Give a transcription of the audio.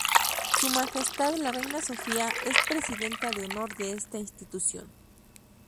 Su Majestad la Reina Sofía es presidenta de honor de esta institución.